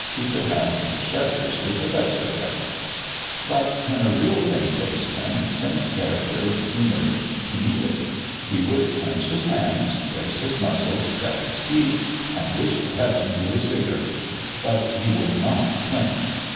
He could have "the shudders" with the best of them. But, when a real thing faced him, Tim's character emerged to meet it. He would clench his hands, brace his muscles, set his teeth and wish to heaven he was bigger. But he would not flinch.